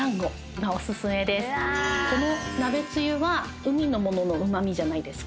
この鍋つゆは海の物のうま味じゃないですか。